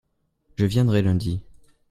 je viendrai lundi.